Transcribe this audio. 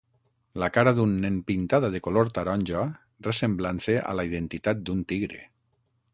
La cara d'un nen pintada de color taronja ressemblant-se a la identitat d'un tigre.